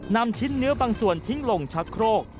นำชิ้นเนื้อบางส่วนทิ้งลงชักโครก